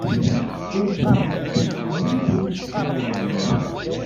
Ur tettsetḥimt ur tettlazamemt.